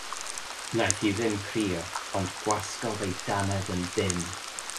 Wnaeth hi ddim crio, ond gwasgodd ei dannedd yn dynn.